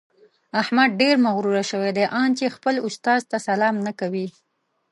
احمد ډېر مغروره شوی دی؛ ان چې خپل استاد ته سلام نه کوي.